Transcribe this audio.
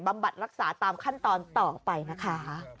บัดรักษาตามขั้นตอนต่อไปนะคะ